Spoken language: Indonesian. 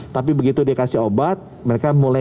tapi begitu dikasih obat mereka mulai